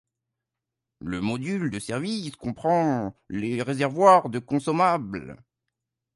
Le module de service comprend les réservoirs de consommables.